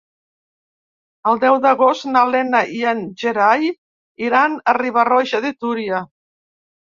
El deu d'agost na Lena i en Gerai iran a Riba-roja de Túria.